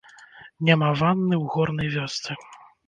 Няма ванны ў горнай вёсцы.